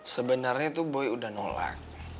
sebenarnya itu boy udah nolak